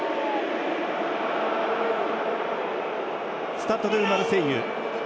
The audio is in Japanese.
スタッド・ド・マルセイユ。